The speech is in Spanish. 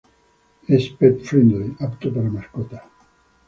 Es pet friendly, apto para mascotas.